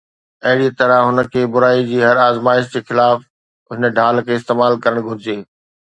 اهڙيءَ طرح هن کي برائي جي هر آزمائش جي خلاف هن ڍال کي استعمال ڪرڻ گهرجي